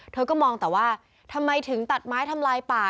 เธอก็มองแต่ว่าทำไมถึงตัดไม้ทำลายป่า